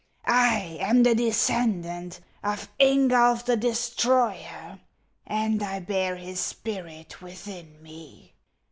I am a descendant of Ingulf the Destroyer, and 1 bear his spirit within me.